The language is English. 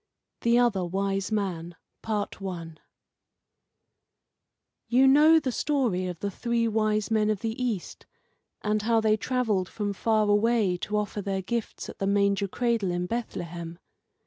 THE OTHER WISE MAN You know the story of the Three Wise Men of the East, and how they travelled from far away to offer their gifts at the manger cradle in Bethlehem.